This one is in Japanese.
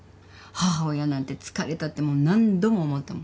母親なんて疲れたってもう何度も思ったもん。